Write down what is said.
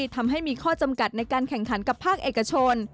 ทำให้มีข้อจำกัดในการแข่งขันกับภาคเอกชน